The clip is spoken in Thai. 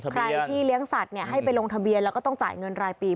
ใครที่เลี้ยงสัตว์ให้ไปลงทะเบียนแล้วก็ต้องจ่ายเงินรายปี